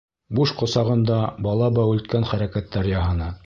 Буш ҡосағында бала бәүелткән хәрәкәттәр яһаны.